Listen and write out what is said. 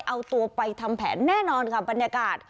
เอาตัวไปทำแผนแน่นอนค่ะบรรยากาศ